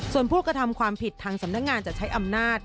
ส่วนผู้กระทำความผิดทางสำนักงานจะใช้อำนาจ